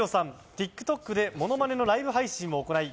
ＴｉｋＴｏｋでモノマネのライブ配信を行い